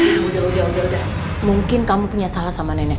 udah jauh udah mungkin kamu punya salah sama nenek